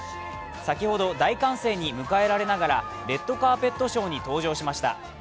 先ほど大歓声に迎えられながらレッドカーペットショーに登場しました。